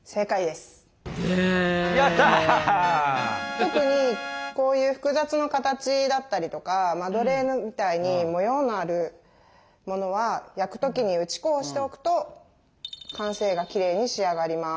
特にこういう複雑な形だったりとかマドレーヌみたいに模様のあるものは焼く時に打ち粉をしておくと完成がきれいに仕上がります。